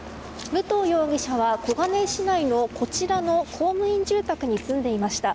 武藤容疑者は、小金井市内のこちらの公務員住宅に住んでいました。